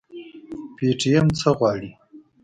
پي ټي ايم څه غواړي؟